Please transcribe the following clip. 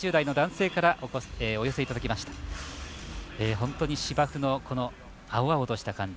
本当に芝生の青々とした感じ